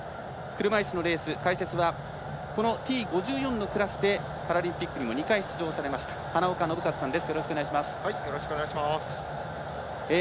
車いすのレース解説はＴ５４のクラスでパラリンピックにも２回出場されました花岡伸和さんです。